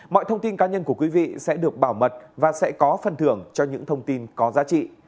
mọi thông tin cá nhân của quý vị sẽ được bảo mật và sẽ có phần thưởng cho những thông tin có giá trị